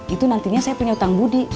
itu nantinya saya punya utang budi